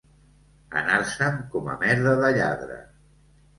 Anar-se'n com a merda de lladre.